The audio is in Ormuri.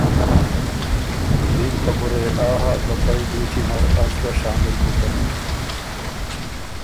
دیم خبُره يې آ هۀ که فئ دُوچی نر از ګه شامل بُکم